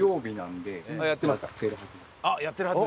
あっやってるはず！